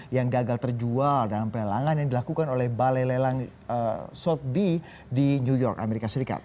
yang gagal terjual dalam pelelangan yang dilakukan oleh balai lelang south bee di new york amerika serikat